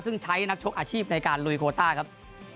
ซึ่งใช้นักชกอาชีพในการลุยโคต้าครับ